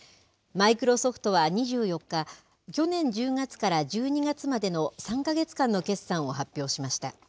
マイクロソフトは２４日、去年１０月から１２月までの３か月間の決算を発表しました。